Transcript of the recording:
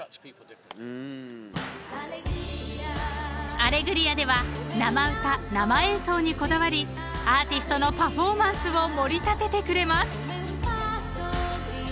［『アレグリア』では生歌生演奏にこだわりアーティストのパフォーマンスをもり立ててくれます］